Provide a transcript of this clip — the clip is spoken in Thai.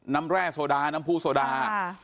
แร่โซดาน้ำผู้โซดา